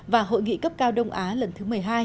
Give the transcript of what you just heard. và hội nghị cấp cao đông á lần thứ một mươi hai